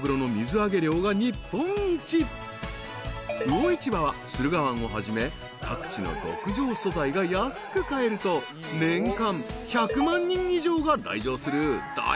［魚市場は駿河湾をはじめ各地の極上素材が安く買えると年間１００万人以上が来場する大人気スポット］